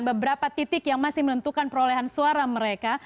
beberapa titik yang masih menentukan perolehan suara mereka